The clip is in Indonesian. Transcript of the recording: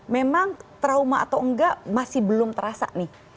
memang trauma atau enggak masih belum terasa nih